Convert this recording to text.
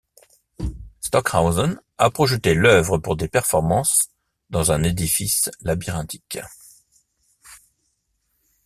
Stockhausen a projeté l'œuvre pour des performances dans un édifice labyrinthique.